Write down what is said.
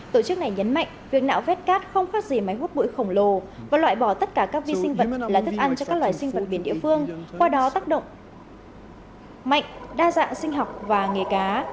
tổ chức này nhấn mạnh việc nạo vét cát không khác gì máy hút bụi khổng lồ và loại bỏ tất cả các vi sinh vật là thức ăn cho các loài sinh vật biển địa phương qua đó tác động mạnh đa dạng sinh học và nghề cá